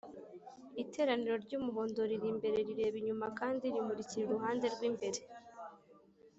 Itara ry‘umuhondo riri imbere rireba inyuma kandi rimurikira uruhande rw’imbere